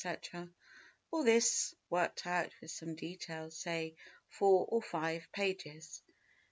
—all this worked out with some detail, say, four or five pages.